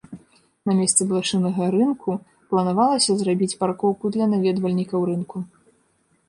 На месцы блышынага рынку планавалася зрабіць паркоўку для наведвальнікаў рынку.